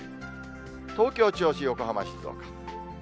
東京、銚子、横浜、静岡。